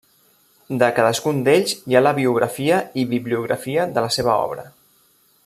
De cadascun d'ells hi ha la biografia i bibliografia de la seva obra.